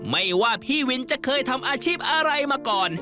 ไม่ว่าพี่วินจะเคยทำอาชีพอะไรมาก่อน